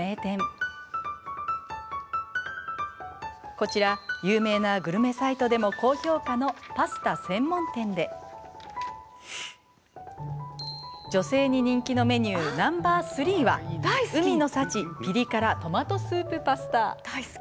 こちら有名なグルメサイトでも高評価のパスタ専門店で女性に人気のメニューナンバー３は大好き大好き。